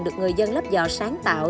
được người dân lấp giò sáng tạo